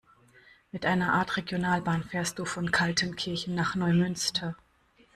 Mit einer Art Regionalbahn fährst du von Kaltenkirchen nach Neumünster.